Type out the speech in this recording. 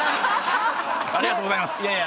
ありがとうございます。